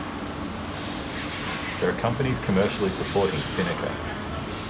There are companies commercially supporting Spinnaker.